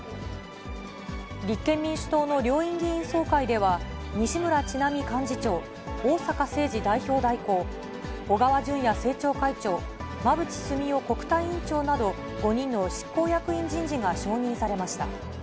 立憲民主党の両院議員総会では、西村智奈美幹事長、逢坂誠二代表代行、小川淳也政調会長、馬淵澄夫国対委員長など、５人の執行役員人事が承認されました。